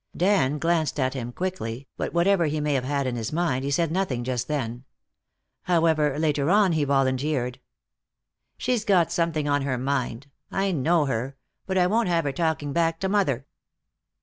Dan glanced at him quickly, but whatever he may have had in his mind, he said nothing just then. However, later on he volunteered: "She's got something on her mind. I know her. But I won't have her talking back to mother."